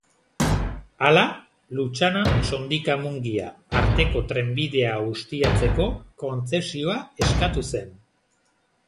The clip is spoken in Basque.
Hala, Lutxana-Sondika-Mungia arteko trenbidea ustiatzeko kontzesioa eskatu zen.